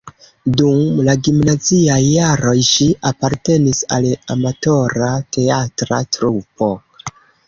Dum la gimnaziaj jaroj ŝi apartenis al amatora teatra trupo.